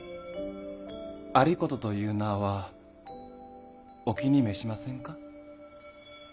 有功という名はお気に召しませんか？